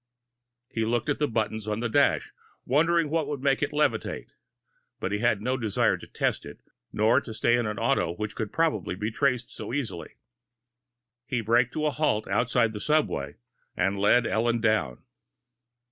He looked at the buttons on the dash, wondering which would make it levitate. But he had no desire to test it, nor to stay in an auto which could probably be traced so easily. He braked to a halt outside the subway and led Ellen down.